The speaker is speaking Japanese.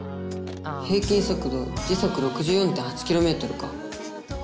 平均速度時速６４．８ｋｍか。